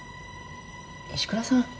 石倉さん